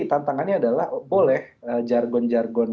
tantangannya adalah boleh jargon jargon